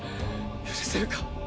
許せるか。